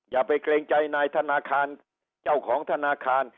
อย่าไปเกรงใจนายธนาคารเจ้าของธนาคาร